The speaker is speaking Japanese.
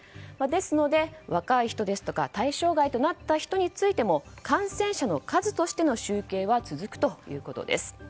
ですので、若い人ですとか対象外となった人についても感染者の数としての集計は続くということです。